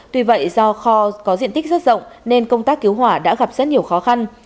tuy vậy do kho có diện tích rất rộng nên công tác cứu hỏa đã gặp rất nhiều khó khăn